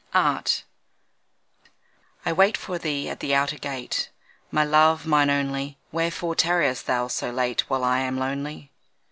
Art I wait for thee at the outer gate, My love, mine only; Wherefore tarriest thou so late While I am lonely.